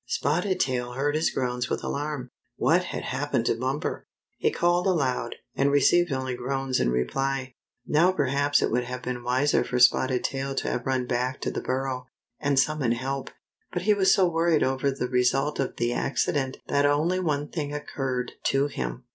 Spotted Tail heard his groans with alarm. What had happened to Bumper! He called aloud, and received only groans in reply. Now perhaps it would have been wiser for Spotted Tail to have run back to the burrow, and summon help ; but he was so worried over the re sult of the accident that only one thing occurred to him.